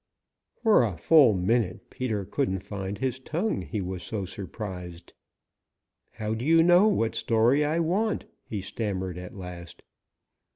For a full minute Peter couldn't find his tongue, he was so surprised. "How do you know what story I want?" he stammered at last.